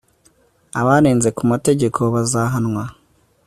abarenze ku mategeko bazahanwa